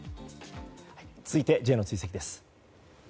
続いて、Ｊの追跡です。